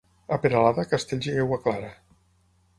A Peralada, castells i aigua clara.